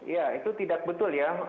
ya itu tidak betul ya